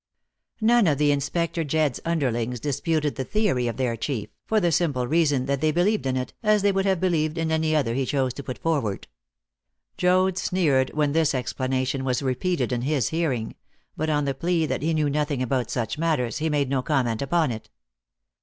None of Inspector Jedd's underlings disputed the theory of their chief, for the simple reason that they believed in it, as they would have believed in any other he chose to put forward. Joad sneered when this explanation was repeated in his hearing, but, on the plea that he knew nothing about such matters, he made no comment upon it.